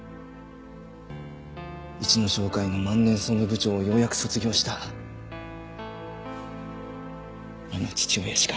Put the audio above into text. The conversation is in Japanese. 市野商会の万年総務部長をようやく卒業したあの父親しか。